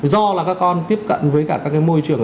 do là các con tiếp cận với cả các cái môi trường